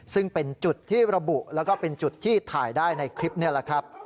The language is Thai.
ซึ่งเป็นจุดที่ระบุแล้วก็เป็นจุดที่ถ่ายได้ในคลิปนี่แหละครับ